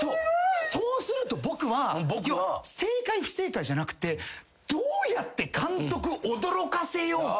そうすると僕は正解不正解じゃなくてどうやって監督驚かせようか？